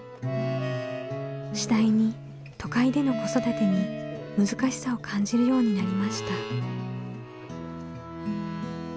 次第に都会での子育てに難しさを感じるようになりました。